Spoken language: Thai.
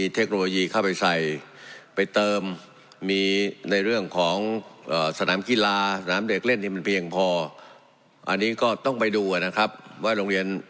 ที่ว่าคือโรงเรียนที่มี